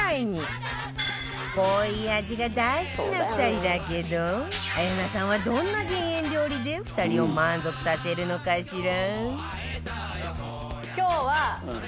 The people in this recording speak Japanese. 濃い味が大好きな２人だけど綾菜さんはどんな減塩料理で２人を満足させるのかしら？